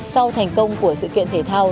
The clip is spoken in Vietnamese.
sau thành công của sự kiện thể thao